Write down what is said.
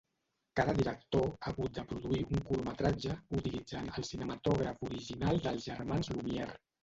Cada director han hagut de produir un curtmetratge utilitzant el cinematògraf original dels Germans Lumière.